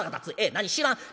何知らん？